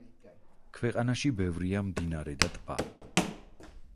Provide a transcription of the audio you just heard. ქვეყანაში ბევრია მდინარე და ტბა.